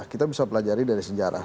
kita bisa pelajari dari sejarah